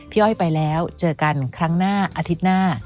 อ้อยไปแล้วเจอกันครั้งหน้าอาทิตย์หน้า